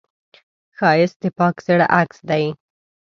ښایست د پاک زړه عکس دی